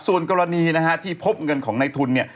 ส่วนกรณีนะฮะที่พบเงินของในทุนเนี่ย